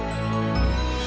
terima kasih udah nonton